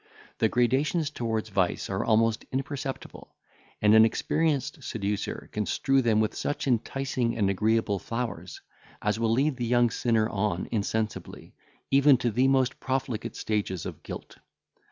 The gradations towards vice are almost imperceptible, and an experienced seducer can strew them with such enticing and agreeable flowers, as will lead the young sinner on insensibly, even to the most profligate stages of guilt.